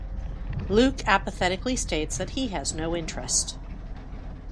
Luke apathetically states that he has no interest.